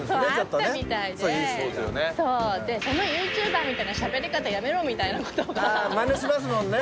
そうあったみたいででそのＹｏｕＴｕｂｅｒみたいなしゃべり方やめろみたいなあマネしますもんね